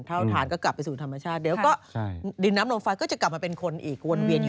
เท่าฐานก็กลับไปสู่ธรรมชาติเดี๋ยวก็ดินน้ำลมไฟก็จะกลับมาเป็นคนอีกวนเวียนอยู่